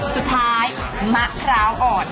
สุดท้ายมะพร้าวอ่อน